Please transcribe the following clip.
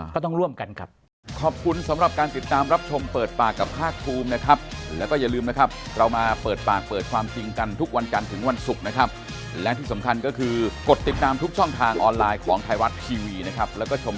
ก็ต้องร่วมกันครับ